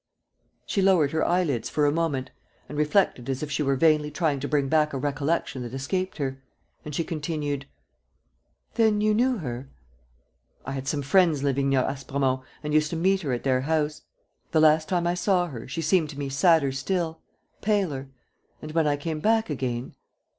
..." She lowered her eyelids for a moment and reflected as if she were vainly trying to bring back a recollection that escaped her. And she continued: "Then you knew her?" "I had some friends living near Aspremont and used to meet her at their house. The last time I saw her, she seemed to me sadder still ... paler ... and, when I came back again